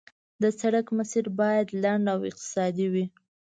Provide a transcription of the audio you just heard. د سړک مسیر باید لنډ او اقتصادي وي